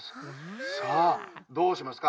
さあどうしますか？